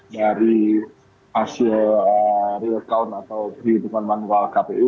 dari hasil real count atau perhitungan manual kpu